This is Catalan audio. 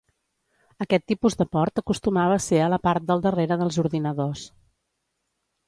Aquest tipus de port acostumava a ser a la part del darrere dels ordinadors.